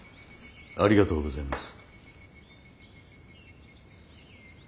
ありがとうございます。